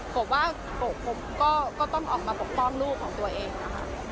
กว่าโกผมก็ต้องออกมาปกป้องลูกของตัวเองนะคะ